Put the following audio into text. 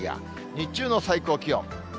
日中の最高気温。